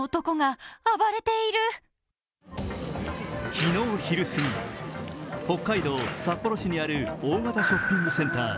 昨日昼過ぎ、北海道札幌市にある大型ショッピングセンター。